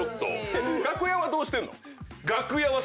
楽屋はどうしてんの？